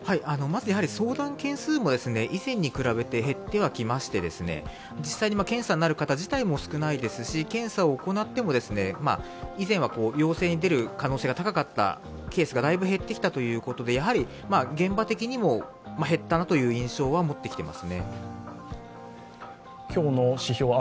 相談件数も以前に比べて減ってはきまして実際に検査になる方自体も少ないですし、検査を行っても、以前は陽性が出る可能性が高かったケースがだいぶ減ってきたということで現場的にも減ったという印象は持っています。